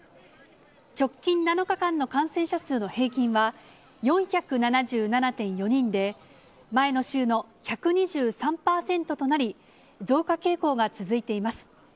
直近７日間の感染者数の平均は、４７７．４人で、前の週の１２３％となり、増加傾向が続いています。